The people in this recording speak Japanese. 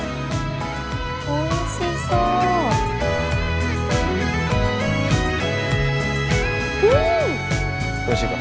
おいしそううん！おいしいか？